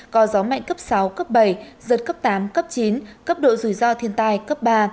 có gió mạnh cấp sáu cấp bảy giật cấp tám cấp chín cấp độ rủi ro thiên tai cấp ba